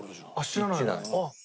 知らない。